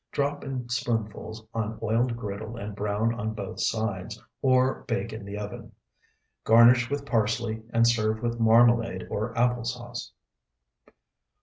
Drop in spoonfuls on oiled griddle and brown on both sides, or bake in the oven. Garnish with parsley, and serve with marmalade or apple sauce.